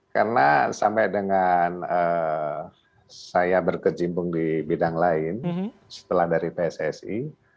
karena sampai dengan saya berkecimpung di bidang lain setelah dari pssi